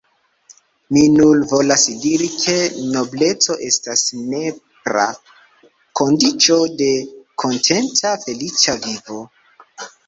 Mi nur volas diri, ke nobleco estas nepra kondiĉo de kontenta, feliĉa vivo.